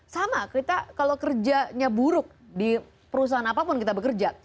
sama kita kalau kerjanya buruk di perusahaan apapun kita bekerja